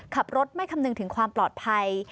ขับรถไม่คำนึงถึงความปลอดภัย